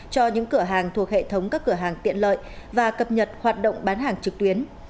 cho những cửa hàng thuộc hệ thống các cửa hàng tiện lợi và cập nhật hoạt động bán hàng trực tuyến